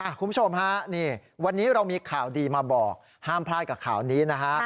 คุณผู้ชมฮะนี่วันนี้เรามีข่าวดีมาบอกห้ามพลาดกับข่าวนี้นะฮะ